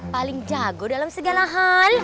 paling jago dalam segala hal